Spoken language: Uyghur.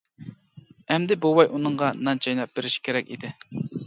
ئەمدى بوۋاي ئۇنىڭغا نان چايناپ بېرىشى كېرەك ئىدى.